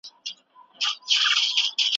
حق ته ودرېدل د هر چا کار نه دی.